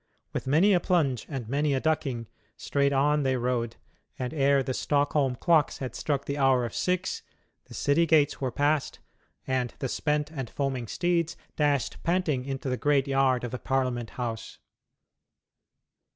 With many a plunge and many a ducking, straight on they rode, and ere the Stockholm clocks had struck the hour of six the city gates were passed, and the spent and foaming steeds dashed panting into the great yard of the Parliament House.